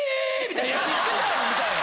知ってたやろみたいな。